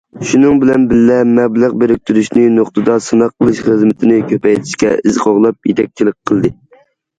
شۇنىڭ بىلەن بىللە، مەبلەغ بىرىكتۈرۈشنى نۇقتىدا سىناق قىلىش خىزمىتىنى كۈچەيتىشكە ئىز قوغلاپ يېتەكچىلىك قىلدى.